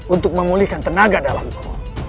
untuk memulihkan tenaga dalamku